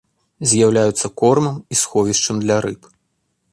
З'яўляюцца кормам і сховішчам для рыб.